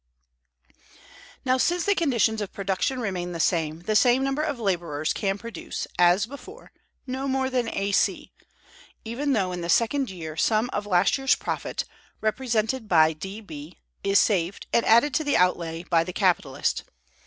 Now, since the conditions of production remain the same, the same number of laborers can produce, as before, no more than A C; even though in the second year some of last year's profit, represented by D B, is saved and added to the outlay by the capitalist.